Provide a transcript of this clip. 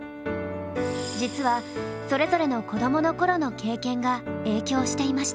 実はそれぞれの子どもの頃の経験が影響していました。